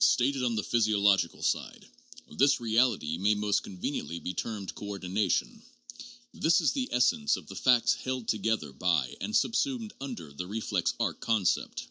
Stated on the physiological side, this reality may most conveniently be termed coordination. This is the essence of the facts held together by and subsumed under the reflex arc con cept.